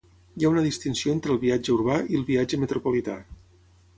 Hi ha una distinció entre el viatge urbà i el viatge metropolità.